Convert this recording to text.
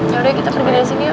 yaudah kita pergi dari sini yuk